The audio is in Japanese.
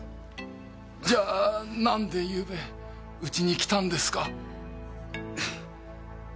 じゃあなんで昨晩家に来たんですか！？